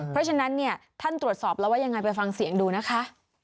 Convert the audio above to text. เพราะฉะนั้นเนี่ยท่านตรวจสอบแล้วว่ายังไงไปฟังเสียงดูนะคะ